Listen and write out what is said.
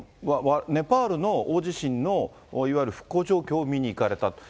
ネパールの大地震のいわゆる復興状況を見に行かれたと。